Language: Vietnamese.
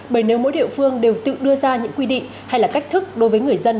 bởi nếu mỗi địa phương đều tự đưa ra những quy định hay là cách thức đối với người dân